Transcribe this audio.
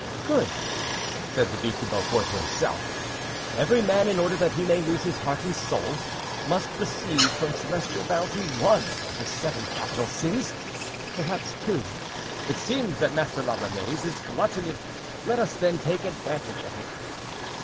"Good!" said the Duc de Beaufort to himself, "every man in order that he may lose his heart and soul, must receive from celestial bounty one of the seven capital sins, perhaps two; it seems that Master La Ramee's is gluttony. Let us then take advantage of it."